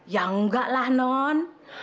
ya enggak lah non